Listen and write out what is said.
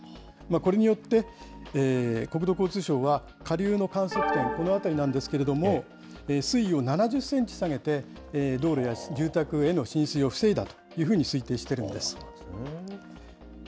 これによって、国土交通省は、下流の観測点、この辺りなんですけれども、水位を７０センチ下げて、道路や住宅への浸水を防いだと推定しているんです。